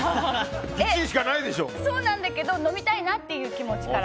そうなんだけど飲みたいなっていう気持ちから。